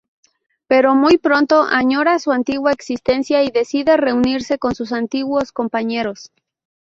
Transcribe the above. Pero muy pronto, añora su antigua existencia y decide reunirse con sus antiguos compañeros...